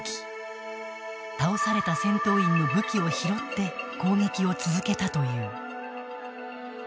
倒された戦闘員の武器を拾って攻撃を続けたという。